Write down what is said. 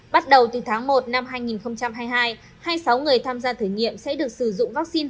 bắt đầu từ tháng một năm hai nghìn hai mươi hai hai mươi sáu người tham gia thử nghiệm sẽ được sử dụng vaccine